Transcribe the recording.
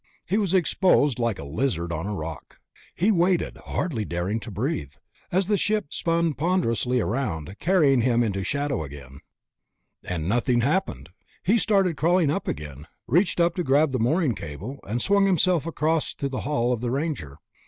He was exposed like a lizard on a rock. He waited, hardly daring to breathe, as the ship spun ponderously around, carrying him into shadow again. And nothing happened. He started crawling upward again, reached up to grab the mooring cable, and swung himself across to the hull of the Ranger.